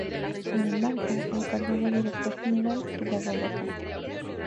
Sin embargo, el cargo de Director general quedaba vacante.